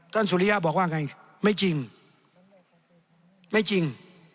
สุริยะบอกว่าไงไม่จริงไม่จริง